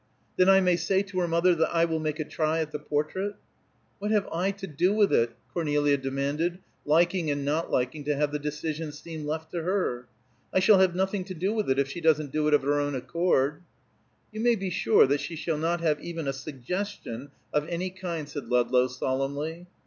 "Then I may say to her mother that I will make a try at the portrait?" "What have I to do with it?" Cornelia demanded, liking and not liking to have the decision seem left to her. "I shall have nothing to do with it if she doesn't do it of her own accord." "You may be sure that she shall not have even a suggestion of any kind," said Ludlow, solemnly.